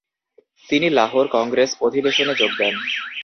তিনি লাহোর কংগ্রেস অধিবেশনে যোগ দেন।